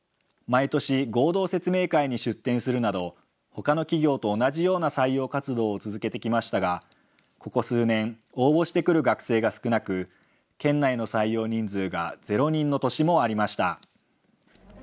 毎年、合同説明会に出展するなど、ほかの企業と同じような採用活動を続けてきましたが、ここ数年、応募してくる学生が少なく、県内の採用人数が０人の年もありました。